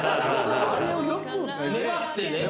あれをよく粘ってね